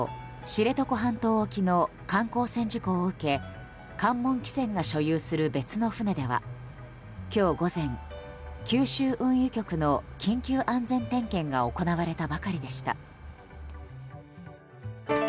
知床半島沖の観光船事故を受け関門汽船が所有する別の船では今日午前九州運輸局の緊急安全点検が行われたばかりでした。